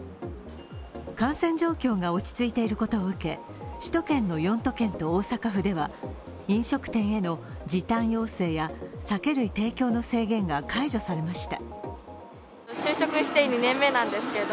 感染状況が落ち着いていることを受け、首都圏の４都県と大阪府では飲食店への時短要請や酒類提供の制限が解除されました。